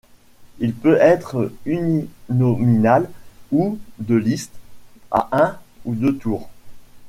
Il peut être uninominal ou de liste, à un ou deux tours.